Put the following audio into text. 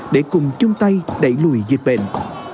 để cùng chung tay đẩy lùi dịch bệnh